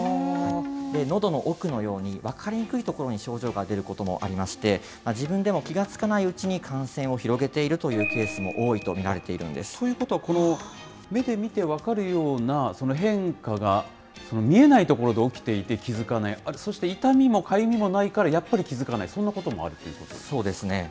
のどの奥のように、分かりにくい所に症状が出ることもありまして、自分でも気が付かないうちに感染を広げているというケースも多いということは、目で見て分かるような変化が見えないところで起きていて、気付かない、そして痛みもかゆみもないから、やっぱり気付かない、そんなこともあるそうですね。